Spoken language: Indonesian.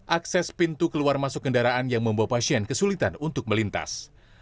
akses pintu keluar masuk kendaraan yang membawa pasien kesulitan untuk melintas